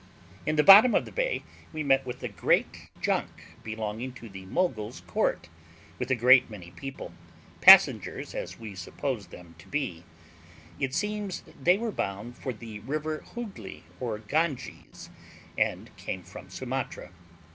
In the bottom of the bay we met with a great junk belonging to the Mogul's court, with a great many people, passengers as we supposed them to be: it seems they were bound for the river Hooghly or Ganges, and came from Sumatra.